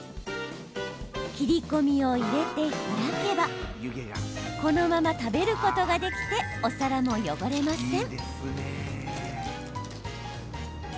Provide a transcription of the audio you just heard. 切り込みを入れて開けばこのまま食べることができてお皿も汚れません。